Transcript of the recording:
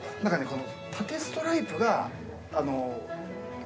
この。